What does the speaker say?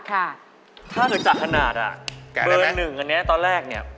ถ้าคือจากขนาดนี้เปอร์หนึ่งต้อนแรกนี้